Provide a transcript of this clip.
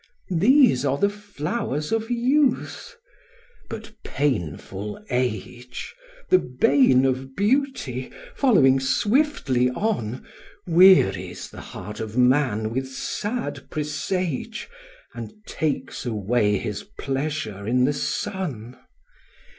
These are the flowers of youth. But painful age The bane of beauty, following swiftly on, Wearies the heart of man with sad presage And takes away his pleasure in the sun.